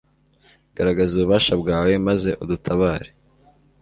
garagaza ububasha bwawe maze udutabare